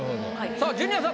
さあジュニアさん